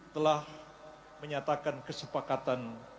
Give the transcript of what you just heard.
telah menyatakan kesepakatan